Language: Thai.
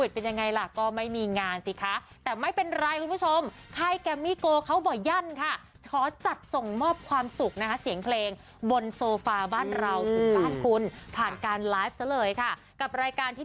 เพราะปกติถ้าไม่มีโควิดช่วงนี้เป็นยังไง